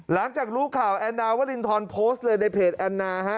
หลังจากรู้ข่าวแอนดาวรินทรโพสต์เลยในเพจแอนนาฮะ